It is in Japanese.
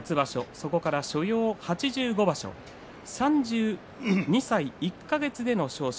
そこから所要８５場所３２歳１か月での昇進。